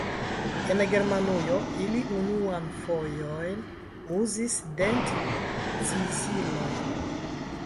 En Germanujo ili unuan fojojn uzis dent-ĉizilojn.